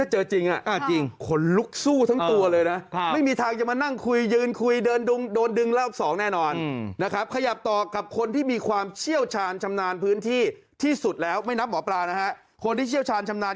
เหมือนกับโอบิตาแล้วพี่แอ๊ด